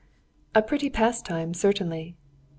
] "A pretty pastime, certainly."